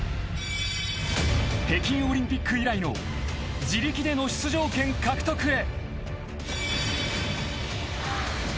［北京オリンピック以来の自力での出場権獲得へ］